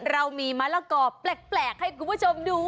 เรามีมะละกอแปลกให้คุณผู้ชมดู